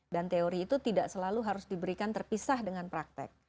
dan teori itu tidak selalu harus diberikan terpisah dengan praktek